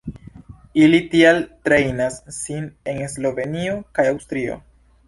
Ili tial trejnas sin en Slovenio kaj Aŭstrio.